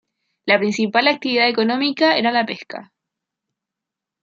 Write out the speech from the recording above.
La principal actividad económica era la pesca.